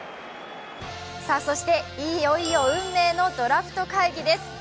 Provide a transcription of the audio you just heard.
そしていよいよ運命のドラフト会議です。